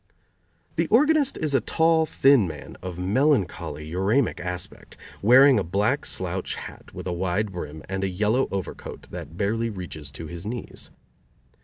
The organist is a tall, thin man of melancholy, uræmic aspect, wearing a black slouch hat with a wide brim and a yellow overcoat that barely reaches to his knees.